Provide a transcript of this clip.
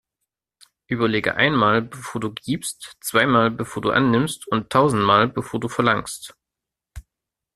Überlege einmal, bevor du gibst, zweimal, bevor du annimmst, und tausendmal, bevor du verlangst.